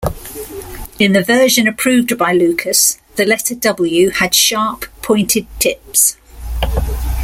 In the version approved by Lucas, the letter "W" had sharp, pointed tips.